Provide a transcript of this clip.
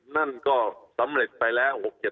นั่นก็สำเร็จไปแล้ว๖๗